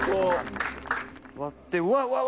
割ってうわうわ